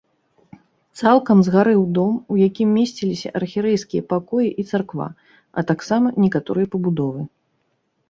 Цалкам згарэў дом, у якім месціліся архірэйскія пакоі і царква, а таксама некаторыя пабудовы.